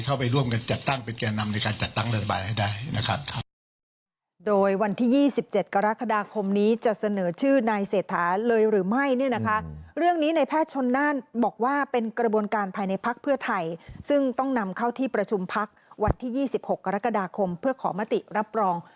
เข้าไปร่วมกันจัดตั้งเป็นแก่นำในการจัดตั้งรัฐบาลให้ได้นะครับ